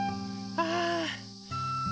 ああ！